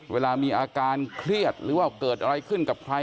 เวลามีอาการเครียดกัดอะไรขึ้นกับใคร